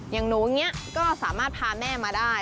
อย่างหนูอย่างนี้ก็สามารถพาแม่มาได้